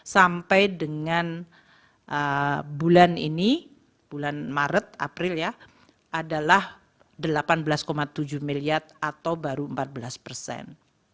sampai dengan bulan ini bulan maret april ya adalah delapan belas tujuh miliar atau baru empat belas persen